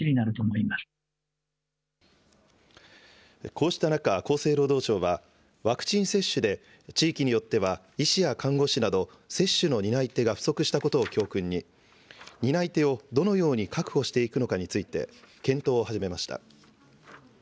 こうした中、厚生労働省は、ワクチン接種で地域によっては医師や看護師など、接種の担い手が不足したことを教訓に、担い手をどのように確保していくのかについて、検討を始めました。